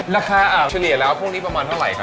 ราคาเฉลี่ยแล้วพวกนี้ประมาณเท่าไหร่ครับ